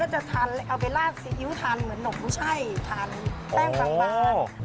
บางทีคนก็จะทานเอาไปลาดซีอิ้วทานเหมือนหน่อหุ้ชัยทานเป้งบางปั้น